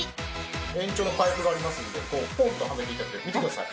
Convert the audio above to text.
延長のパイプがありますのでポンとはめて頂ければ見てください。